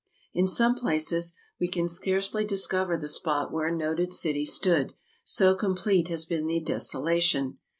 In some places we can scarcely discover the spot where a noted city stood, so complete has been the desolation.